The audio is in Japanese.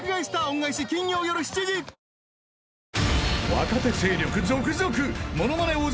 ［若手勢力続々］